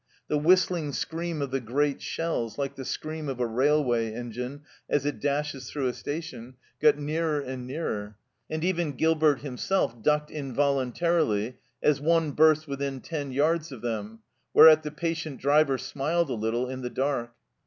The whistling scream of the great shells, like the scream of a rail way engine as it dashes through a station, got A HIDEOUS NIGHT DRIVE 103 nearer and nearer, and even Gilbert himself ducked involuntarily as one burst within ten yards of them, whereat the patient driver smiled a little in the dark.